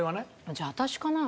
じゃあ私かな？